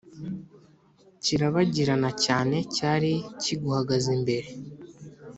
kirabagirana cyane Cyari kiguhagaze imbere